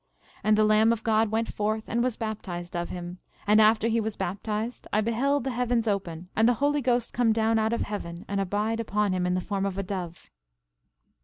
And the Lamb of God went forth and was baptized of him; and after he was baptized, I beheld the heavens open, and the Holy Ghost come down out of heaven and abide upon him in the form of a dove.